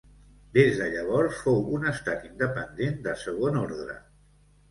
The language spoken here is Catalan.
Des de llavors fou un estat independent de segon ordre.